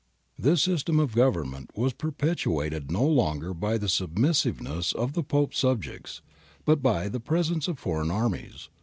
^ This system of government was perpetuated no longer by the submissiveness of the Pope's subjects, but by the presence of foreign armies.